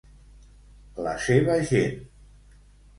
La seva gent.